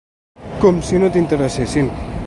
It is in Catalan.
Com si no t’interessessin.